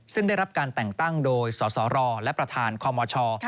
ซึ่งได้รับการแต่งตั้งโดยสสรและประธานคมช